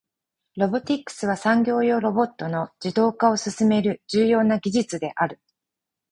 ロボティクスは、産業用ロボットの自動化を進める重要な技術である。